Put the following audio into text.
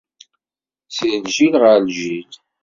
Si lǧil ɣer lǧil.